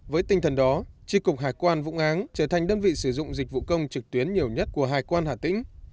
với tinh thần đó tri cục hải quan vũng áng trở thành đơn vị sử dụng dịch vụ công trực tuyến nhiều nhất của hải quan hà tĩnh